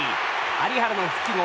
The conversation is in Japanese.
有原の復帰後